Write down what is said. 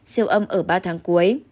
siêu âm ở ba tháng cuối